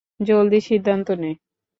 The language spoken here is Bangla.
জলদি সিদ্ধান্ত নে।